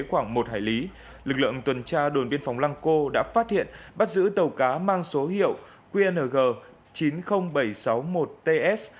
khoảng một hải lý lực lượng tuần tra đồn biên phòng lăng cô đã phát hiện bắt giữ tàu cá mang số hiệu qng chín mươi nghìn bảy trăm sáu mươi một ts